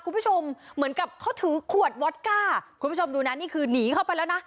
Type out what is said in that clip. คุณผู้ชมเหมือนกับเขาถือขวดวอตก้าคุณผู้ชมดูนะนี่คือหนีเข้าไปแล้วนะ